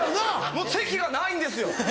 もう席がないんですよ！